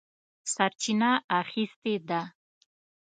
سرچینه اخیستې ده.